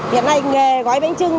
hiện nay nghề gói bánh chưng